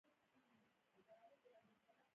پکتیا د افغانستان د کلتوري میراث برخه ده.